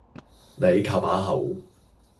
你靠把口